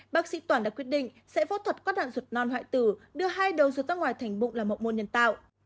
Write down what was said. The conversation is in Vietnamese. bác sĩ toản đã quyết định sẽ phẫu thuật quát đoạn ruột non hoại tử đưa hai đầu ruột ra ngoài thành bụng là mộng môn nhân tạo